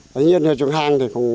thế nhưng ở trường hàng thì không